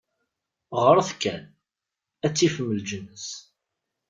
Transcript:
Ɣret kan, ad tifem leǧnas.